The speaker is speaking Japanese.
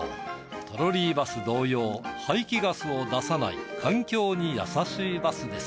トロリーバス同様排気ガスを出さない環境に優しいバスです。